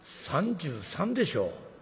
３３でしょ？」。